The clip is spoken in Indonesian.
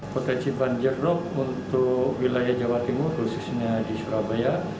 potensi banjir rop untuk wilayah jawa timur khususnya di surabaya